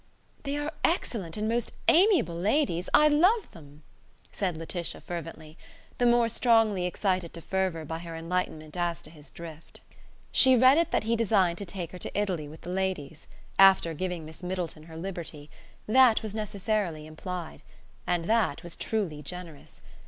"They are excellent and most amiable ladies; I love them," said Laetitia, fervently; the more strongly excited to fervour by her enlightenment as to his drift. She read it that he designed to take her to Italy with the ladies: after giving Miss Middleton her liberty; that was necessarily implied. And that was truly generous.